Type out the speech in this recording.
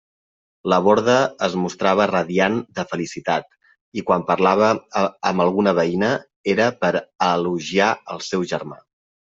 La Borda es mostrava radiant de felicitat, i quan parlava amb alguna veïna, era per a elogiar el seu germà.